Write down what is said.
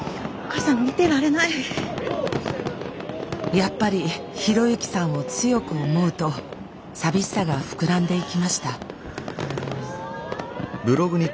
やっぱり啓之さんを強く思うと寂しさが膨らんでいきました。